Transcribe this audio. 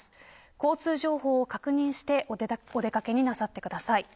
交通情報を確認してお出掛けなさってください。